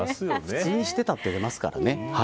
普通にしてたって出ますからね。